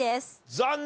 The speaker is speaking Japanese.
残念！